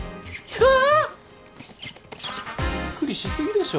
うわ！びっくりし過ぎでしょ。